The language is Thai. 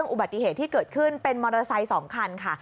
อุบัติเหตุที่เกิดขึ้นเป็นมอเตอร์ไซค์๒คันค่ะ